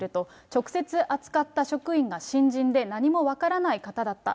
直接扱った職員が新人で、何も分からない方だった。